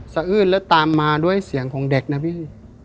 อื้นแล้วตามมาด้วยเสียงของเด็กนะพี่